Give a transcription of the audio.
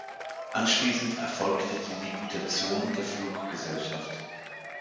Anschließend erfolgte die Liquidation der Fluggesellschaft.